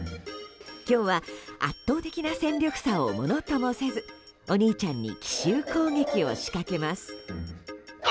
今日は圧倒的な戦力差をものともせずお兄ちゃんに奇襲攻撃を仕掛けます。